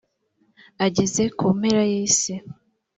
ageze ku mpera y’isi.